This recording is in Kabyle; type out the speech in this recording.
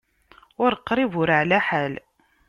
Ur qrib, ur ɛla ḥal.